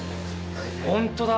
本当だ！